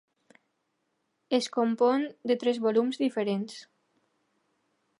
Es compon de tres volums diferents.